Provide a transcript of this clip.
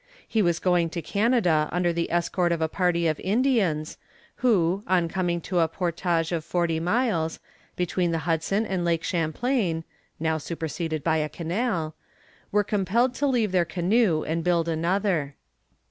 He was going to Canada under the escort of a party of Indians, who, on coming to a portage of forty miles, between the Hudson and Lake Champlain, (now superseded by a canal,) were compelled to leave their canoe and build another.